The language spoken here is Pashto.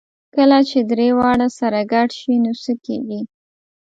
کله چې درې واړه سره ګډ شي نو څه کېږي؟